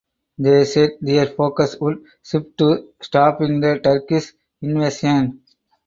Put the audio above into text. They said their focus would shift to stopping the Turkish invasion.